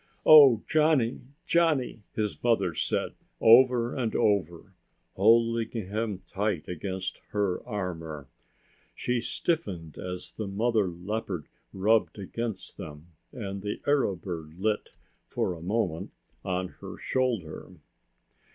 "Oh, Johnny, Johnny!" his mother said over and over, holding him tight against her armor. She stiffened as the mother leopard rubbed against them and the arrow bird lit, for a moment, on her shoulder.